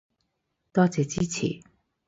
多謝支持